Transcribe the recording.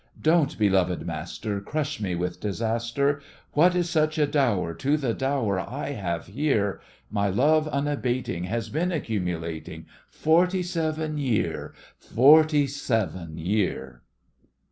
Don't, beloved master, Crush me with disaster. What is such a dower to the dower I have here? My love unabating Has been accumulating Forty seven year—forty seven year!